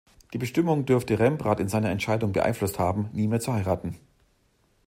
Diese Bestimmung dürfte Rembrandt in seiner Entscheidung beeinflusst haben, nie mehr zu heiraten.